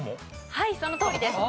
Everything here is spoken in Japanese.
はいそのとおりです。